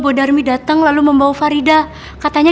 benarkah faridahismsi tak sudah berhentinya